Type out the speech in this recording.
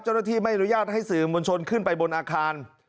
เจ้าหน้าที่ไม่อนุญาตให้สื่อมวลชนขึ้นไปบนอาคาร